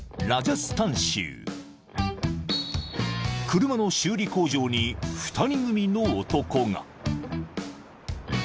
［車の修理工場に２人組の男が］